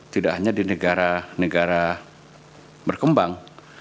tidak hanya di negara negara berkembang